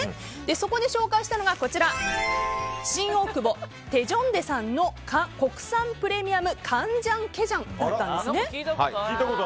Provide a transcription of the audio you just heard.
そこで紹介したのが新大久保テジョンデさんの国産プレミアムカンジャンケジャンだったんです。